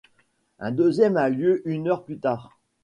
Un deuxième a lieu une heure plus tard.